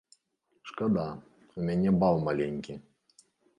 Шкада, у мяне бал маленькі.